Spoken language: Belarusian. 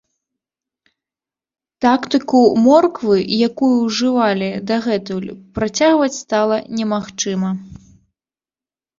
Тактыку морквы, якую ўжывалі дагэтуль, працягваць стала немагчыма.